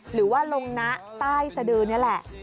หรือว่าลงนะใต้สดือนี่แหละ